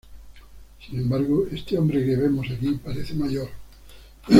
Sin embargo, este hombre que vemos aquí parece mayor.